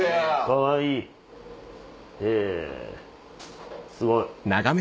かわいいへぇすごい。